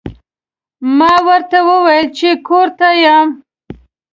ما ورته وویل چې کور ته یم.